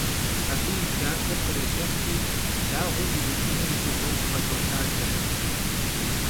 Abı yi cater khrêlhefri blağuer yiuç'ın yi guğeu bğedolhade.